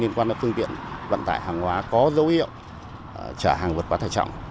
liên quan đến phương tiện vận tải hàng hóa có dấu hiệu trả hàng vượt qua tài trọng